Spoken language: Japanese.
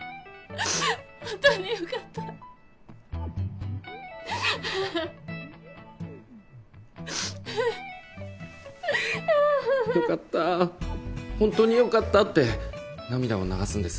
本当に良かった「良かった本当に良かった」って涙を流すんです。